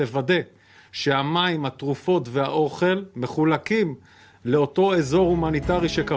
untuk meyakinkan bahwa air makanan dan makanan dikumpulkan ke area humanitar yang kita kira